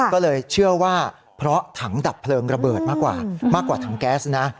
ก็เลยเชื่อว่าเพราะถังดับเพลิงระเบิดมากกว่าถังแก๊สนะ